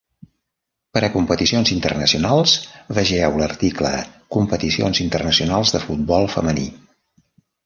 Per a competicions internacionals, vegeu l'article "Competicions internacionals de futbol femení".